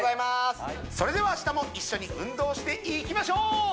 それでは明日も一緒に運動していきましょう！